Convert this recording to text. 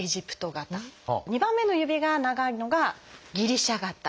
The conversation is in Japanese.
２番目の指が長いのが「ギリシャ型」。